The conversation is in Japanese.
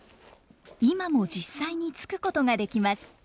今も実際に撞くことができます。